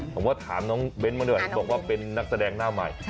ผมว่าถามน้องเบ้นมาหน่อยบอกว่าเป็นนักแสดงหน้าใหม่